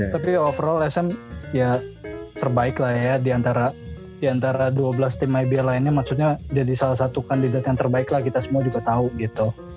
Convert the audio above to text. tapi overall sm ya terbaik lah ya diantara dua belas tim ibr lainnya maksudnya jadi salah satu kandidat yang terbaik lah kita semua juga tahu gitu